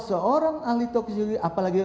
seorang ahli toksikologi apalagi